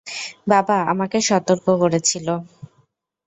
বাবা আমাকে সতর্ক করেছিল!